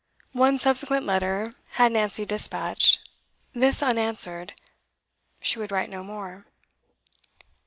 One subsequent letter had Nancy despatched; this unanswered, she would write no more.